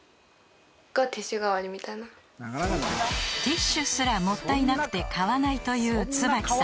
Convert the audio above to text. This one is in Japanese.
［ティッシュすらもったいなくて買わないというつばきさん］